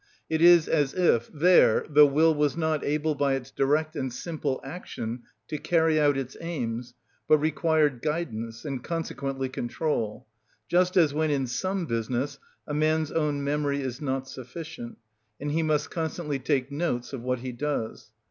It is as if there the will was not able by its direct and simple action to carry out its aims, but required guidance, and consequently control; just as when in some business a man's own memory is not sufficient, and he must constantly take notes of what he does.